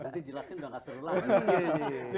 nanti jelasin udah gak seru lagi